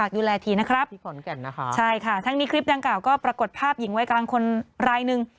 ดูแลได้บ้างฝากดูแลทีนะครับใช่ค่ะทั้งนี้คลิปดังกล่าวก็ปรากฏภาพหญิงไว้กลางคนรายหนึ่ง